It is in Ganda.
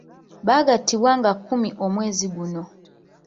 Baagattibwa nga kumi omwezi guno.